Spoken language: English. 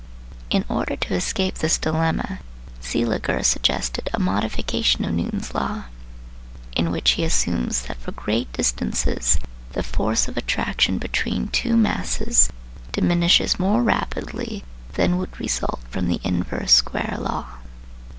In order to escape this dilemma, Seeliger suggested a modification of Newton's law, in which he assumes that for great distances the force of attraction between two masses diminishes more rapidly than would result from the inverse square law.